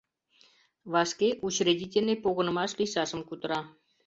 — Вашке Учредительный погынымаш лийшашым кутыра.